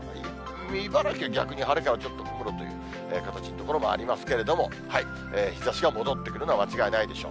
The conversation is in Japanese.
茨城は逆に晴れからちょっと曇るという形の所もありますけれども、日ざしが戻ってくるのは間違いないでしょう。